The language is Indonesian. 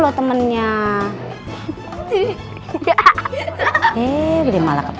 "umate mari mulakan